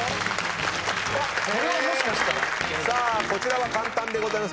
さあこちらは簡単でございます。